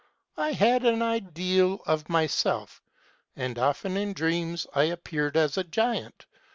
I had an ideal of myself, and often in dreams I appeared as a giant.